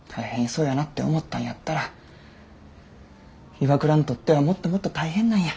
そうやなって思ったんやったら岩倉にとってはもっともっと大変なんや。